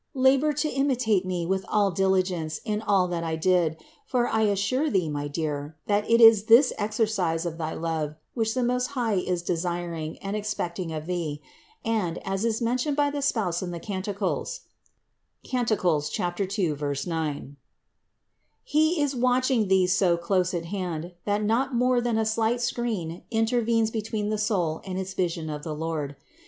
Labor to imitate me with all diligence in all that I did ; for I assure thee, my dear, that it is this exer cise of thy love, which the Most High is desiring and ex pecting of thee, and, as is mentioned by the spouse in the THE INCARNATION 505 Canticles (Cant. 2, 9), He is watching thee so close at hand, that not more than a slight screen intervenes be tween the soul and its vision of the Lord.